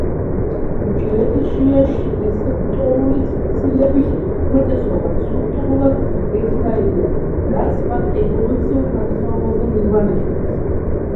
უჯრედშიდა რეცეპტორული ცილების უმეტესობა სტრუქტურულად ერთნაირია, რაც მათ ევოლუციურ ნათესაობაზე მიგვანიშნებს.